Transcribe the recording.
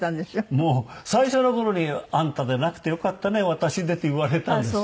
もう最初の頃に「あんたでなくてよかったね私で」って言われたんですよ。